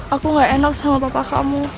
aku gak enak sama papa kamu